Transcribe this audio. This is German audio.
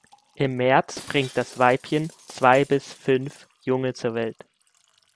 Im März bringt das Weibchen zwei bis fünf Junge zur Welt.